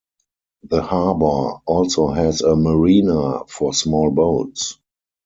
The harbor also has a marina for small boats.